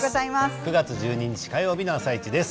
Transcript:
９月１２日火曜日の「あさイチ」です。